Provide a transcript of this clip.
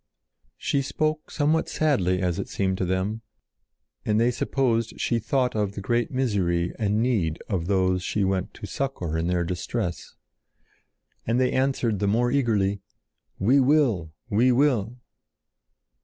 She spoke somewhat sadly as it seemed to them, and they supposed she thought of the great misery and need of those she went to succor in their distress. And they answered the more eagerly: "We will! We will!"